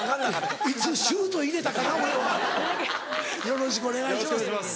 よろしくお願いします。